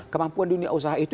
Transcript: kemampuan dunia usaha itu